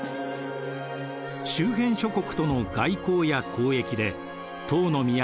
周辺諸国との外交や交易で唐の都